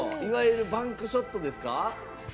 いわゆるバンクショットですか。